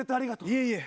いえいえ。